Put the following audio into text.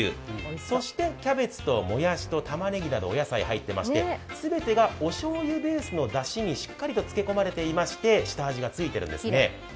そしてキャベツともやしとたまねぎなどお野菜が入っていまして全てがおしょうゆベースのだしにしっかりと漬け込まれていて下味がついてるんですね。